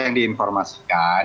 yang di informasikan